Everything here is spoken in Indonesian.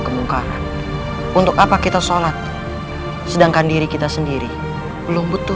kemungkaran untuk apa kita sholat sedangkan diri kita sendiri belum butuh